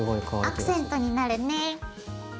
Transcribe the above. アクセントになるね。